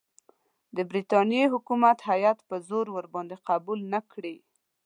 د برټانیې حکومت هیات په زور ورباندې قبول نه کړي.